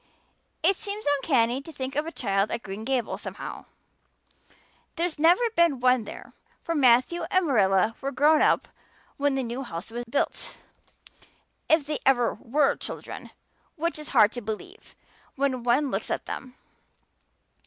It seems uncanny to think of a child at Green Gables somehow; there's never been one there, for Matthew and Marilla were grown up when the new house was built if they ever were children, which is hard to believe when one looks at them.